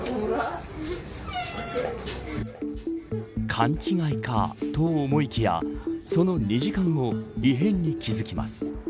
勘違いかと思いきやその２時間後異変に気付きます。